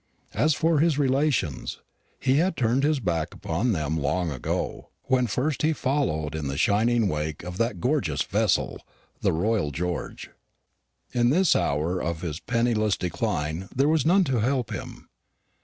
As for his relations, he had turned his back upon them long ago, when first he followed in the shining wake of that gorgeous vessel, the Royal George. In this hour of his penniless decline there was none to help him.